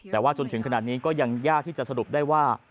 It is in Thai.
แต่ว่าจนถึงขนาดนี้ก็ยังยากที่จะสรุปได้ว่า